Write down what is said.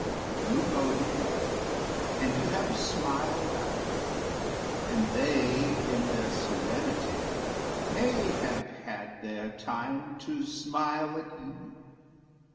You know them well, and you have smiled at them; And they, in their serenity, may have had Their time to smile at you.